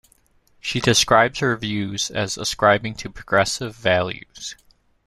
She describes her views as ascribing to progressive values.